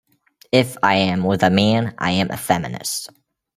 If I am with a man I am a feminist.